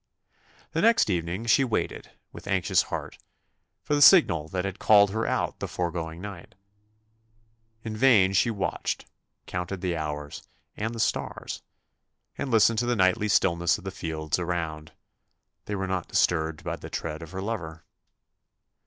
The next evening she waited, with anxious heart, for the signal that had called her out the foregoing night. In vain she watched, counted the hours, and the stars, and listened to the nightly stillness of the fields around: they were not disturbed by the tread of her lover.